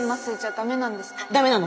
ダメなの！